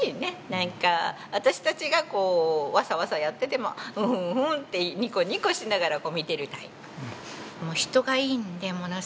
なんか私たちがこうワサワサやってても「ふんふん」ってニコニコしながらこう見てるタイプ。